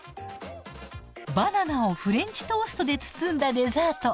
バナナをフレンチトーストで包んだデザート。